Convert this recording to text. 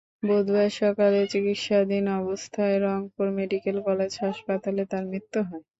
বুধবার সকালে চিকিৎসাধীন অবস্থায় রংপুর মেডিকেল কলেজ হাসপাতালে তাঁর মৃত্যু হয়।